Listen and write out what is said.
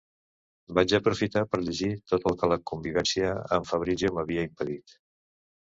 Vaig aprofitar per llegir tot el que la convivència amb el Fabrizio m'havia impedit.